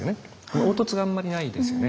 凹凸があんまりないですよね。